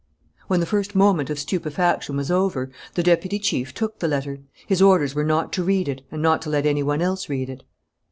When the first moment of stupefaction was over, the deputy chief took the letter. His orders were not to read it and not to let any one else read it.